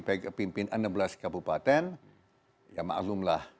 pegang pimpin enam belas kabupaten ya maklumlah